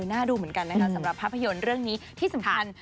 น่าดูเหมือนกันนะคะสำหรับภาพยนตร์เรื่องนี้ที่สำคัญ